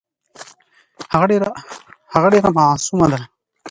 هغه ډېره معصومه ده .